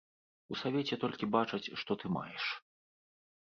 У савеце толькі бачаць, што ты маеш.